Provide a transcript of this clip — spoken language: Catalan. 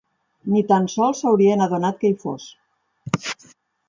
Ni tant sols s'haurien adonat que hi fos.